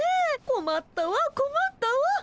こまったわこまったわ。